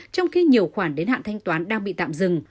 trong khi nhiều khoản đến hạn thanh toán đang bị tạm dừng